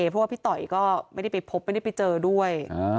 เพราะว่าพี่ต่อยก็ไม่ได้ไปพบไม่ได้ไปเจอด้วย